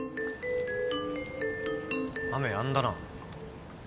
雨やんだな。